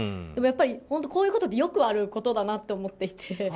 でもやっぱりこういうことってよくあることだと思っていて。